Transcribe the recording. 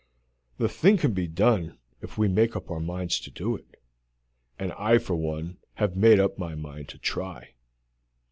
The thing can be done if we make up our minds to do it, and I for one have made up my mind to try.